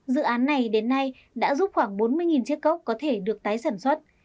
dự án này đến nay đã giúp khoảng bốn mươi chiếc cốc có thể được tái sản xuất